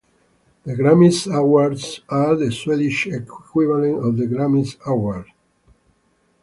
The Grammis Awards are the Swedish equivalent of the Grammy Awards.